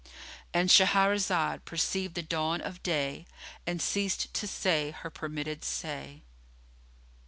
——And Shahrazad perceived the dawn of day and ceased to say her permitted say.